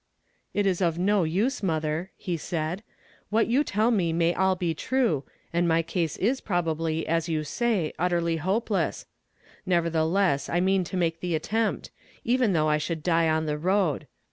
" It is of no use. mother." he said. What you tell me may all be true, and my case is i>robably, as you say, utterly hopeless ; nevertheless, I mean to make the attempt, even though I should die on the road.